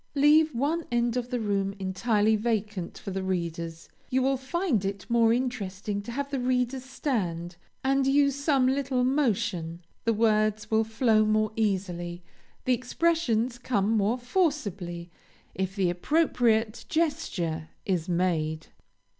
Leave one end of the room entirely vacant for the readers. You will find it more interesting to have the readers stand, and use some little motion; the words will flow more easily, the expressions come more forcibly if the appropriate gesture is made.